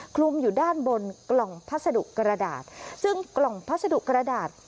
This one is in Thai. คลุมอยู่ด้านบนกล่องพัสดุกระดาษซึ่งกล่องพัสดุกระดาษ